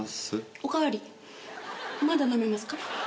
まだ飲みますか？